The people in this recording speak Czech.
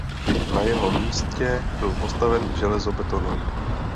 Na jeho místě byl postaven železobetonový.